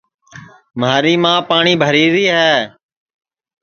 مھاری ماں پاٹؔی بھری ری ہے